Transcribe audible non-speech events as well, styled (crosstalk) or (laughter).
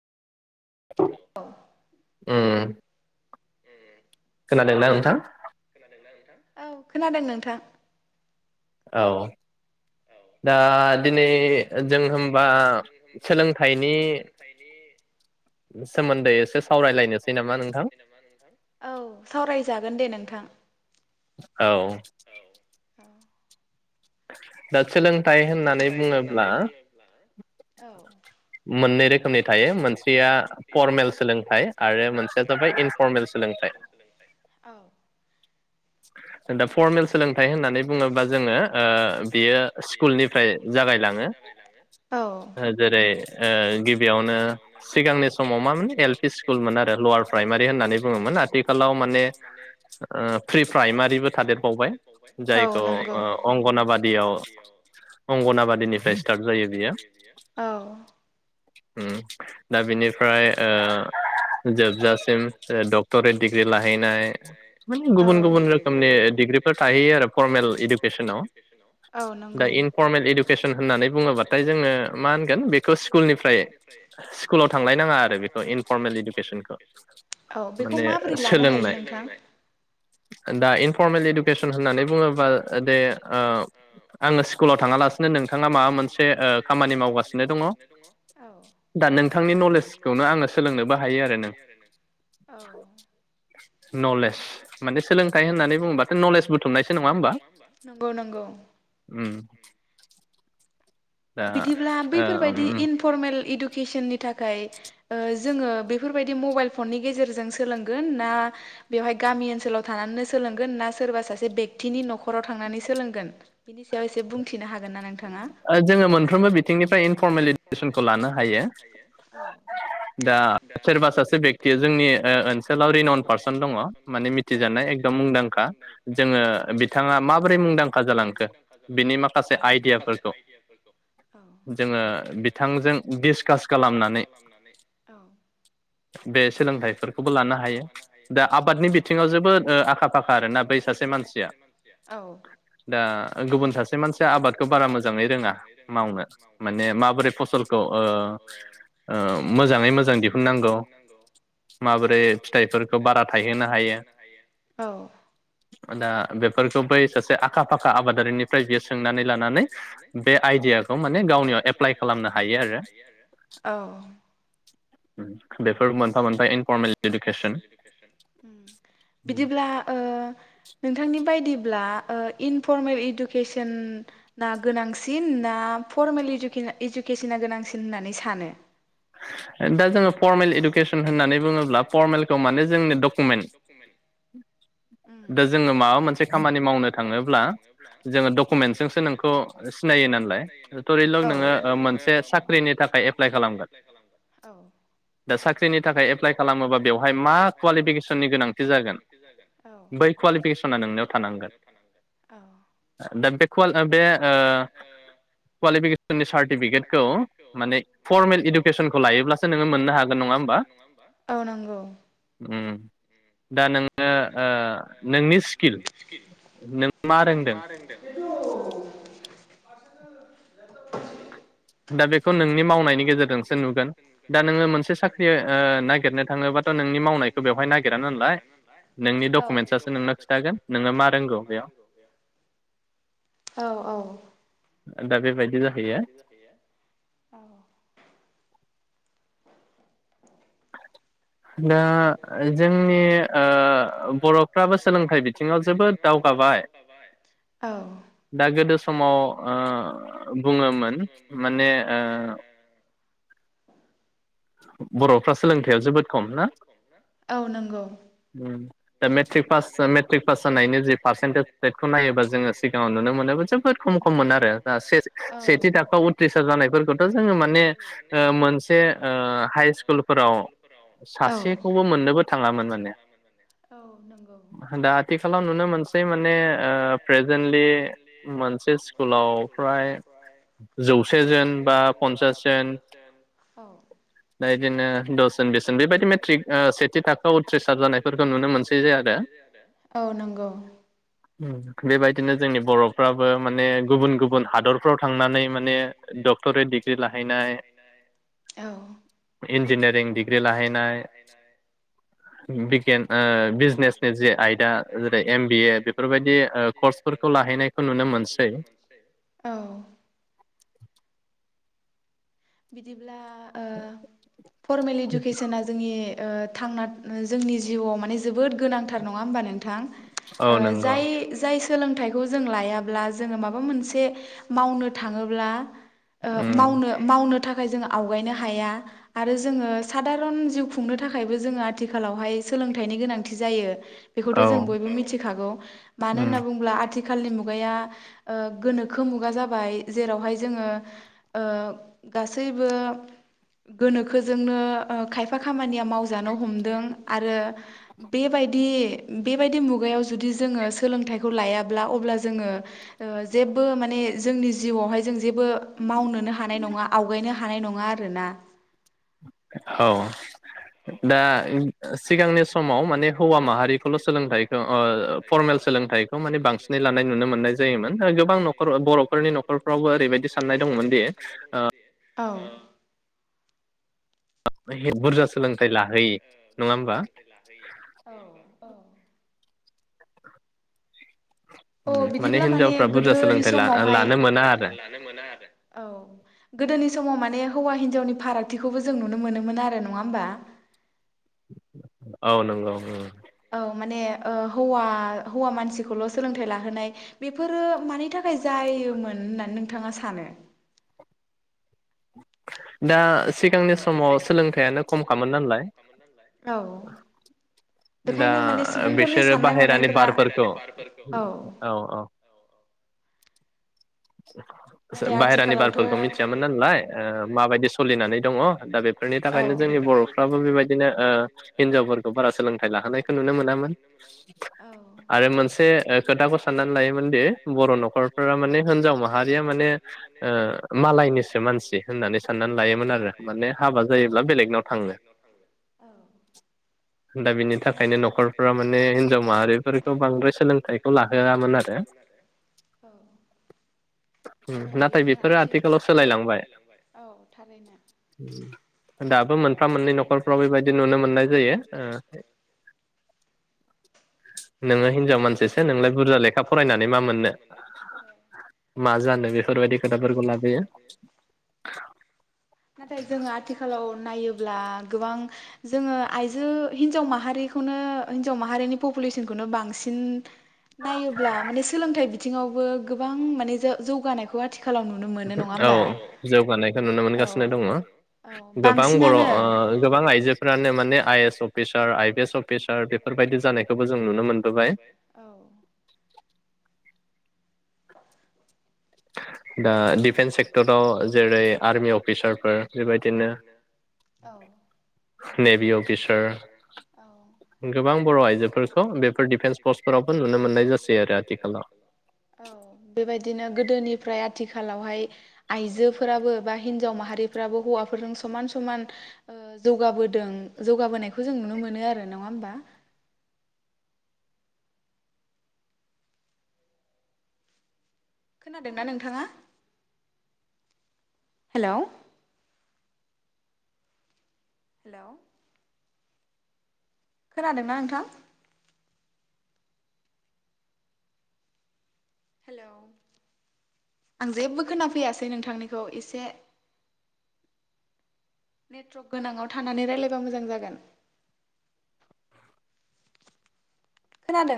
उम खोनादों ना नोंथां? खोनादों ना नोंथां? औ खोनादों नोंथां। औ दा दिनै जों होनबा सोलोंथाइनि सोमोन्दै एसे औ सावरायजागोन दे नोंथां। औ। दा सोलों थाइ होननानै बुङोब्ला मोननै रोखोमनि थायो मोनसेया फरमेल सोलोंथाइ आरो मोनसेया जाबाय इनफर्मेल सोलोंथाइ। दा फरमेल सोलोंथाइ होननानै बुङोबा जोङो ओ बियो स्कुलनिफ्राय जागायलाङो। ओ जेरै ओ गिबियावनो सिगांनि समाव मामोन? एल पि स्कुलमोन आरो ल'वार प्राइमारि होननानै बुङोमोन। आथिखालाव माने प्रि प्राइमारिबो थादेरबाव औ नंगौ। अंगनाबादियाव अंगनाबादिनिफ्राय स्टार्ट जायो बियो। उम दा बिनिफ्राय ओ जोबजासिम डक्टरेट डग्रि लाहैनाय माने गुबुन गुबुन रोखोमनि थाहैयो आरो फर्मेल इदु केसनाव दा इनफरमेल इडुकेसन होननानै बुङोबाथाय जोङो मा होनगोन बेखौ स्कुलनिफ्राय स्कुलाव थांलाय नाङा आरो बेखौ इनफरमेल इडुकेसनखौ माने सोलोंनाय दा इनफरमेल इदु केसन होननानै बुङोबा बे ओ ङो स्कुलाव थाङालासिनो नोंथाङा माबा मोनसे ओ खामानि मावगासिनो दङ' दा नोंथांनि नलेजखौनो आङो सोलोंनोबो हायो आरो नों। नलेज माने सोलोंथाइ होननानै बुंङोबाथ' नलेज बुथुमनायसो नङा होमबा उम बिदिब्ला बैफोरबायदि इनफरमेल इडुकेसननि था खाय ओ जोङो बेफोरबायदि मबाइल फननि गेजेरजों सोलोंगोन ना बेवहाय गामि ओनसोलाव थानानैनो सोलोंगोन ना सोरबा सासे बेक्तिनि न'खराव थांनानै सोलोंगोन? बिनि सायाव एसे बुंथिनो हागोन ना नोंथाङा। फ्रोमबो बिथिंनिफ्राय इनफरमेलिटिसनखौ लानो हायो। दा सोरबा सासे बेक्ति जोंनि ओ ओनसोलाव रिनन पारसन दङ'। माने मिथिजानाय एकदम मुंदांखा जोङो बिथाङा माबोरै मुंदांखा जालांखो औ जोङो बिथांजों डिसकास खालामनानै बे सोलोंथाइफोरखौबो लानो हायो। दा आबादनि बिथिङाव जोबोद ओ आखा फाखा आरोना बै सासे मानसिया। दा गुबुन सासे मानसिया आबादखौ बारा मोजाङै रोङा। मावनो माने माबोरै फसलखौ ओ ओ मोजाङै मोजां दिहुननांगौ माबोरै फिथाइफोरखौ बारा थायहोनो हायो दा बेफोरखौ बै सासे आखा फाखा आबाद निफ्राय बियो सोंनानै लानानै बे आइ औ बिदिब्ला ओ नोंथांनि बायदिब्ला ओ इनफरमेल इडुकेसन आ गोनांसिन ना फरमेल इडुकेसना गोनांसिन होननानै सानो। (unintelligible) दा जोङो फरमेल इडुकेसन होननानै बुङोब्ला फरमेलखौ माने जोंनि डकुमेन्ट दा जोङो माबा मोनसे खामानि मावनो थाङोब्ला जोङो डकुमेन्टजोंसो नोंखौ सिनायो नालाय धरिलक नोङो मोनसे साख्रिनि थाखाय एप्लाइ खालामोन। दा साख्रिनि थाखाय एप्लाइ खालामोबा बेवहाय मा कुवालिफिकेसननि गोनांथि जागोन बै कुवालिफिकेसना नोंनियाव थानांगोन दा बे बे ओ कुवालिफिकेसननि सार्टिफिकेटखौ माने फरमेल इडु सेसखौ ल (unintelligible) (inaudible) नोङो मोननो हागोन नङा होमबा उम दा नोङो ओ नोंनि स्किल नों मा रोंदों दा बेखौ नोंनि मावनायनि गेजेरजोंसो नुगोन। औ औ औ औ (inaudible) दा जोंनि ओ बर'फ्राबो सोलोंथाइ बिथिङाव जोबोद दावगाबाय दा गोदो समाव ओ बुङोमोन माने ओ (inaudible) बर'फ्रा सोलोंथायाइाव जोबोद खम ना दा मेट्रिक पास जा मेट्रिक पास जानायनि जि पारसेन्टेज बेखौ नायोबा जोङो सिगाङाव नुनो मोनोमोन जोबोद खम खममोन आरो दा से सेथि थाखोआव उथ्रिसार जानायफोरखौथ' जोङो माने ओ मोनसे ओ हाइस्कुल औ औ नंगौ औ दा इदिनो दसजोन बिसजोन बेबायदि मेट्रिक ओ सेथि थाखोआव उथ्रिसार जानायफोरखौ नुनो मोनसै जे आरो बेबायदिनो जोंनि बर'फ्राबो माने गुबुन गुबुन हादरफ्राव थांनानै माने डक्टरेट डिग्रि लाहैनाय इन्जिनियारिं डिग्रि लाहैनाय बिगियान ओ बिजनेसनि जि आयदा जेरै एमबिए बेफोरबायदि फोरखौ लाहैनायखौ नुनो मोनसै बिदिब्ला ओ फर्मेल इडुकेसनआ जोंनि ओ थांना जोंनि जिउआव माने जोबोद गोनांथार नङा होमबा नोंथां? ओ जाय जाय सोलोंथाइखौ जों लायाब्ला जोङो माबा मोनसे मावनो थाङोब्ला ओ मावनो मावनो थाखाय जोंङो आवगायनो हाया आरो जोङो सादारन जिउ खुंनो थाखायबो जोङो आथिखालावहाय सोलोंथाइनि गोनांथि जायो। बेखौथ' जों बयबो मिथिखागौ मानो होनना बुङोब्ला आथि आथिखालनि मुगाया ओ गोनोखो मुगा जाबाय जेरावहाय जोङो ओ गासैबो गोनोखोजोंनो ओ खायफा खामानिया मावजानो हमदों आरो बेबायदि बेबायदि मुगायाव जुदि जोङो सोलोंथाइखौ लायाब्ला अब्ला जोङो ओ जेबो माने जोंनि जिउआवहाय जों जेबो मावनोनो हानाय नङा आवगायनो हानाय नङा आरोना। औ दा सिगांनि समाव माने हौवा माहारिखौल' सोलोंथाइखौ ओ फर्मेल सोलोंथाइखौ माने बां सिनै लानाय बांसिन लानाय नुनो मोननाय जायोमोन गोबां न'खर बर'फोरनि न'खरफ्रावबो ओरैबायदि साननाय दंमोन दि ओ (inaudible) बुरजा सोलोंथाइ लाहोयि नङा होमबा? औ बिदिब्ला माने गोदोनि औ गोदोनि समाव माने हौवा हिनजावनि फारागथिखौबो जों नुनो मोनोमोन आरो नङा होमबा? औ नंगौ ओ औ माने ओ हौवा हौवा मानसिखौल' सोलोंथाइ लाहोनाय बेफोरो मानि थाख खाय जायोमोन होननानै नों थाङा सानो दा दा सिगांनि समाव सोलोंथायाइानो खम खामोन नालाय दा बिसोरो बाहेरानि बारफोरखौ औ औ। बाहेरानि बारफोरखौ मिथियामोन नालाय ओ माबायदि सोलिनानै दङ' दा बेफोरनि थाखायनो जोंनि बर'फ्राबो बेबायदिनो ओ हिनजावफोरखौ बारा सोलोंथाइ लाहोनायखौ नुनो मोनामोन आरो मोनसे ओ खोथाखौ साननानै लायोमोन दि बर' न'खरफोरा माने होनजाव मा माहारिया माने ओ मालायनिसो मानसि होननानै साननानै लायोमोन आरो माने हाबा जायोब्ला बेलेगनाव थाङो दा बिनि थाखायनो न'खरफ्रा माने हिनजाव माहारिफोरखौ बांद्राय सोलोंथाइखौ लाहोआमोन आरो नाथाय बेयो आथि नाथाय बेफोरो आथिखालाव सोलायलांबाय औ थारैनो दाबो मोनफा मोननै नखरफोराव बेबादि नुनो मोन्नाय जायो नाथाय नोङो हिनजाव मानसिसो नोंलाय बुरजा लेखा फरायनानै मा मोननो मा जानो बेफोरबायदि खोथाफोरखौ लाबोयो नाथाय जोङो आथिखालाव नायोब ब्ला गोबां जोङो आइजो हिनजाव माहारिखौनो हिनजाव माहारिनि पपुलेसन खौनो बांसिन नायोब्ला माने सोलोंथाइ बिथिङावबो गोबां माने जो जौगानायखौ आथि औ जौगानायखौ नुनो मोनगासिनो दङ गोबां बर' ओ गोबां आइजोफ्रानो माने I S officer I P S officer बेफोरबायदि जानायखौबो जों नुनो मोनबोबाय औ दा डिफेन्स सेक्टराव जेरै आर्मि अफिसारफोर बेबायदिनो नेभि अफिसार गोबां बर' आइजोफोरखौ बेफोर डिफेन्स पस्टफोरावबो नुनो मोननाय जासै आरो आथिखालाव औ बेबादिनो गोदोनि फ्राय आद थिखालावहाय आइजोफोराबो बा हिनजाव माहारिफोराबो हौवाफोरजों समान समान ओ जौगाबोदों जौगाबोनायखौ जों नुनो मोनो आरो नङा होमबा खोनादोंना नोंथाङा हेलौ हेलौ खोनादोंना नोंथां हेलौ आं जेबो खोनाफैयासै नोंथांनिखौ एसे नेटवर्क गोनाङाव थानानै राय्लायबा मोजां जागोन खोनादों